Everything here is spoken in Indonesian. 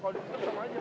kalau dibuka sama aja